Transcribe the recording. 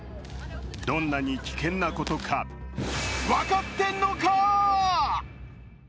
どんなに危険なことか分かってんのか！！